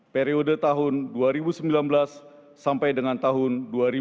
periode tahun dua ribu sembilan belas sampai dengan tahun dua ribu dua puluh